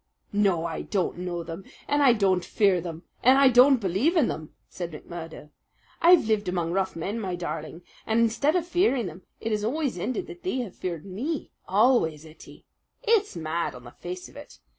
"No, I don't know them, and I don't fear them, and I don't believe in them!" said McMurdo. "I've lived among rough men, my darling, and instead of fearing them it has always ended that they have feared me always, Ettie. It's mad on the face of it!